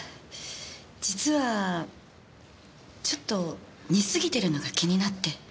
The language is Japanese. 実はちょっと似すぎてるのが気になって。